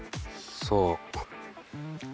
そう。